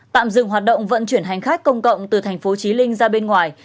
tạm dừng hoạt động vận chuyển hành khách công cộng từ tp chí linh ra bên ngoài